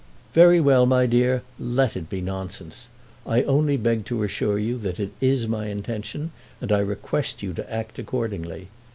"Very well, my dear, let it be nonsense. I only beg to assure you that it is my intention, and I request you to act accordingly.